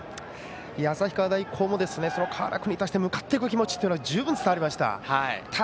旭川大高も川原君に対して向かっていく気持ちは十分に伝わりました。